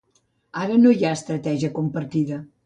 Ara no hi ha una estratègia compartida.